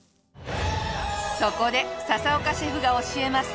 そこで笹岡シェフが教えます！